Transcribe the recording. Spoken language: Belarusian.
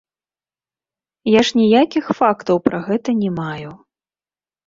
Я ж ніякіх фактаў пра гэта не маю.